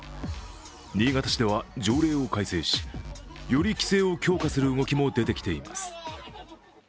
新潟市では条例を改正し、より規制を強化する動きも出てきています。